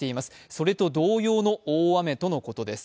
それと同様の大雨とのことです。